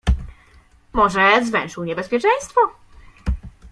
"Może zwęszył niebezpieczeństwo?"